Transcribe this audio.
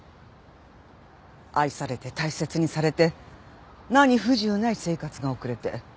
愛されて大切にされて何不自由ない生活が送れて。